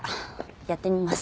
やってみます。